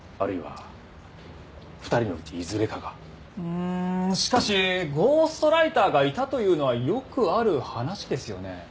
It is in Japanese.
うんしかしゴーストライターがいたというのはよくある話ですよね？